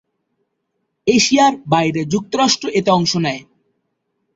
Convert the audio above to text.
এশিয়ার বাইরে যুক্তরাষ্ট্র এতে অংশ নেয়।